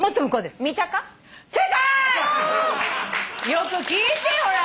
よく聴いてほら。